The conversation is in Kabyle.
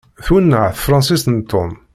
Twenneɛ tefransist n Tom.